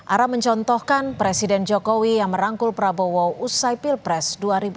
ara mencontohkan presiden jokowi yang merangkul prabowo usai pilpres dua ribu sembilan belas